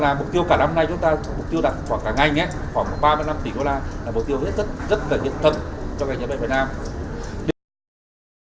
là mục tiêu rất là nhận thân cho ngành dẹp đình việt nam